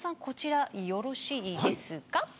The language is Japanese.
こちらよろしいですか。